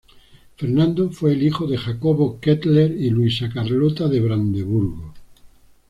Fernando fue el hijo de Jacobo Kettler y Luisa Carlota de Brandeburgo.